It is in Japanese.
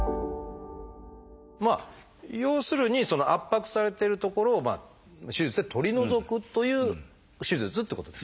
要するにその圧迫されてる所を手術で取り除くという手術ってことですよね。